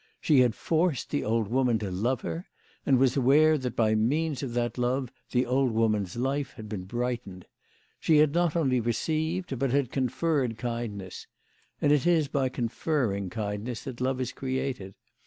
She had forced the old woman to love her, and was aware that by means of that love the old woman's life had been brightened. She had not only received, but had conferred kindness, and it is by conferring kindness that love is created.